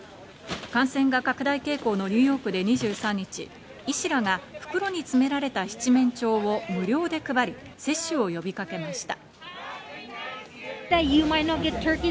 感染が拡大傾向のニューヨークで２３日、医師らが袋に詰められた七面鳥を無料で配り、接種を呼びかけました。